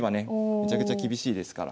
めちゃくちゃ厳しいですから。